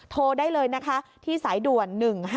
โทรได้เลยนะคะที่สายด่วน๑๕๗